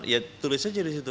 ya tulis aja di situ